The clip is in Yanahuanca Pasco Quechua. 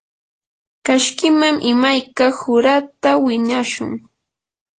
kashkiman imayka qurata winashun.